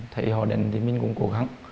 thầy họ đến thì mình cũng cố gắng